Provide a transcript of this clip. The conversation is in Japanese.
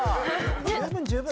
十分十分。